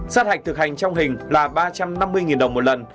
sát hạch thực hành trong hình là ba trăm năm mươi đồng một lần